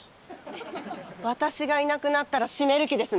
私がいなくなったら閉める気ですね？